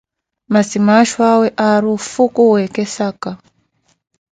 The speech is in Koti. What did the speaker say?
Masi maaxho awe aari oofhukuwa, ekesaka.